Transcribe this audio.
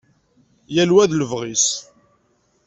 Yal wa d lebɣi-s.